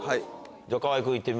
はい。